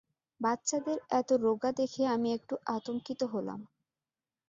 বাচ্চাদের এত রোগা দেখে আমি একটু আতঙ্কিত হলাম।